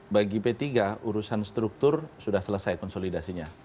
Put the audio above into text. bagi p tiga urusan struktur sudah selesai konsolidasinya